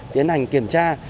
tiến hành kiểm tra